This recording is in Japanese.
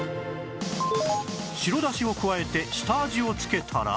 白だしを加えて下味を付けたら